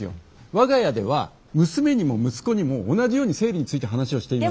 我が家では娘にも息子にも同じように生理について話をしています。